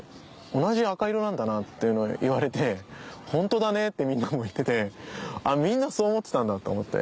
「同じ赤色なんだな」っていうの言われて「ホントだね」ってみんなも言っててみんなそう思ってたんだって思って。